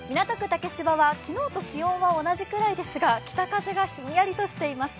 竹芝は昨日と気温は同じぐらいですが北風がひんやりとしています。